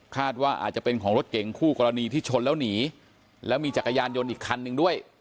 คาดว่าอาจจะเป็นของรถเก๋งคู่กรณีที่ชนแล้วหนีและมีจักรยานโยนอีกคันด้วย